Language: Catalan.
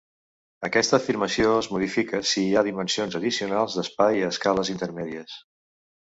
Aquesta afirmació es modifica si hi ha dimensions addicionals d'espai a escales intermèdies.